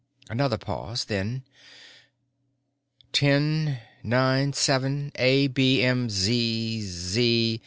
Another pause, then, "'Ten, nine, seven, A, B, M, Z, Z